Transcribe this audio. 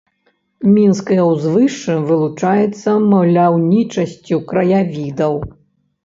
Мінскае ўзвышша вылучаецца маляўнічасцю краявідаў.